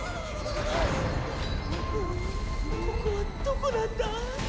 ここはどこなんだ？